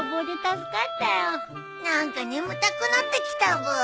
何か眠たくなってきたブー。